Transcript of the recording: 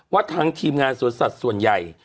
ว่าทางทีมงานสวนสัตว์ส่วนใหญ่